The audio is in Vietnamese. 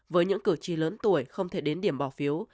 với những cử tri lớn tuổi không thể đến điểm bỏ phiếu